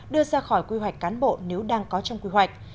đưa ra khỏi quy hoạch cán bộ nếu đang có trong quy hoạch